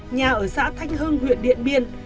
nhà ở xã thanh hưng huyện điện biên